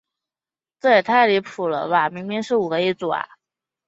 而目前则多将暴龙的步态重建成与地面保持水平的状态。